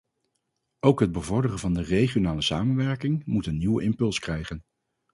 Ook het bevorderen van de regionale samenwerking moet een nieuwe impuls krijgen.